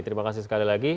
terima kasih sekali lagi